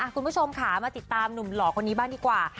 คุณผู้ชมค่ะมาติดตามหนุ่มหล่อคนนี้บ้างดีกว่า